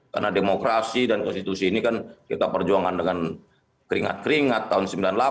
karena demokrasi dan konstitusi ini kan kita perjuangan dengan keringat keringat tahun sembilan puluh delapan